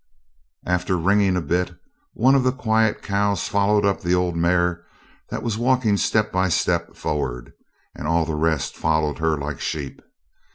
After 'ringing' a bit, one of the quiet cows followed up the old mare that was walking step by step forward, and all the rest followed her like sheep.